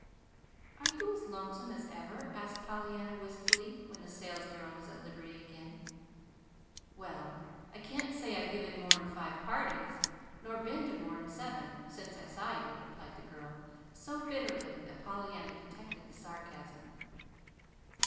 "Are you as lonesome as ever?" asked Pollyanna wistfully, when the salesgirl was at liberty again. "Well, I can't say I've given more'n five parties, nor been to more'n seven, since I saw you," replied the girl so bitterly that Pollyanna detected the sarcasm.